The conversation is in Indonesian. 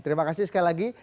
terima kasih sekali lagi